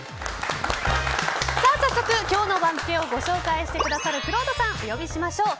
早速、今日の番付をご紹介してくださるくろうとさんをお呼びしましょう。